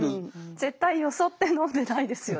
絶対よそって飲んでないですよね。